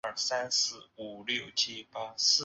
是北京市的最高点。